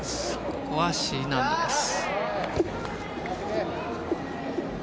ここはＣ難度です。